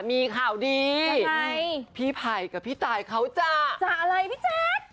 มีข่าวดีพี่ไผ่กับพี่ตายเขาจะจะอะไรพี่แจ๊ค